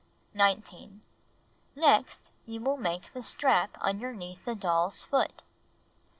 19. Next you will make the strap underneath the doll's foot.